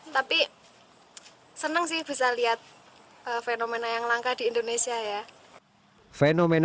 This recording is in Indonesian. tapi senang sih bisa lihat fenomena yang langka di indonesia ya